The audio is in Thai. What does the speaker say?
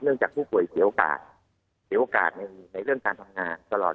เนื่องจากผู้ป่วยเสียโอกาสกันในการทำงานตลอด